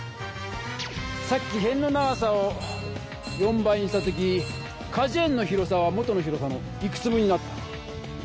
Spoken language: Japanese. さっきへんの長さを４倍にした時かじゅ園の広さは元の広さのいくつ分になった？